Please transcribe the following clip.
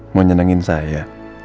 mau nyenengin saya